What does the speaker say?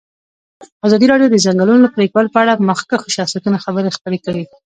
ازادي راډیو د د ځنګلونو پرېکول په اړه د مخکښو شخصیتونو خبرې خپرې کړي.